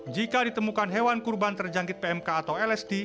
jika ditemukan hewan kurban terjangkit pmk atau lsd